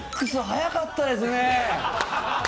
早かったですね。